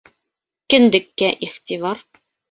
Кендеккә иғтибар